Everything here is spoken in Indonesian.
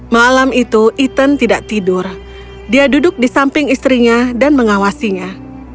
malam itu ethan tidak tidur dia duduk di samping istrinya dan mengawasinya